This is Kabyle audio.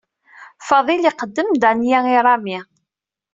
Faḍil iqeddem Danya i Rami.